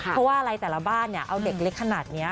เพราะว่าอะไรแต่ละบ้านเอาเด็กเล็กขนาดนี้